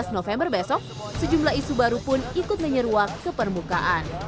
tujuh belas november besok sejumlah isu baru pun ikut menyeruak ke permukaan